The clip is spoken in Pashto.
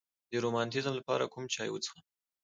د روماتیزم لپاره کوم چای وڅښم؟